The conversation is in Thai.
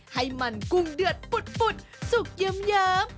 ให้มันกุ้งเดือดปุดสุกเยิ้ม